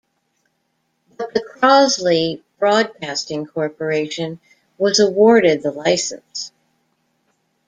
But the Crosley Broadcasting Corporation was awarded the license.